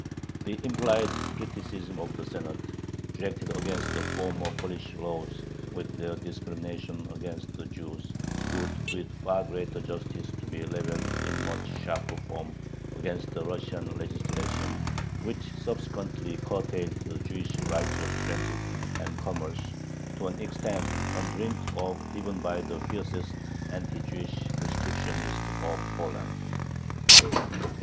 The implied criticism of the Senate, directed against "the former Polish laws with their discriminations against the Jews," could with far greater justice be leveled in much sharper form against the Russian legislation which subsequently curtailed the Jewish right of transit and commerce to an extent undreamt of even by the fiercest anti Jewish restrictionists of Poland.